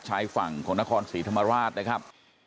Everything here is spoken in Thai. ชายฝั่งของนครศรีธรรมราชนะครับ